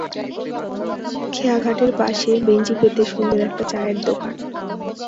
খেয়াঘাটের পাশে বেঞ্চি পেতে সুন্দর একটা চায়ের দোকান।